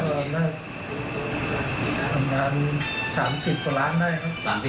ทำงาน๓๐ประลานได้ครับ